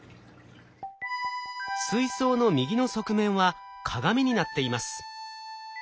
水槽の右の側面は鏡になっています。